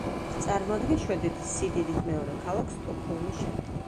წარმოადგენს შვედეთის სიდიდით მეორე ქალაქს სტოკჰოლმის შემდეგ.